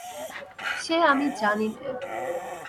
সে আমি জানি নে।